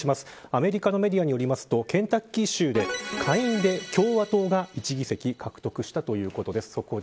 アメリカのメディアによるとケンタッキー州で下院で共和党が１議席獲得したということです。